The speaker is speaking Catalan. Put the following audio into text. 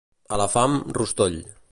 A la fam, rostoll.